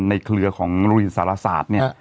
เครือของโรงเรียนสารศาสตร์เนี่ย